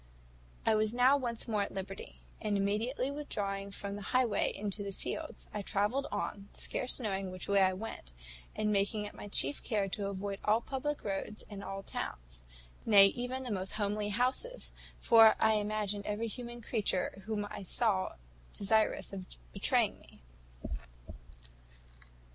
"I was now once more at liberty; and immediately withdrawing from the highway into the fields, I travelled on, scarce knowing which way I went, and making it my chief care to avoid all public roads and all towns nay, even the most homely houses; for I imagined every human creature whom I saw desirous of betraying me.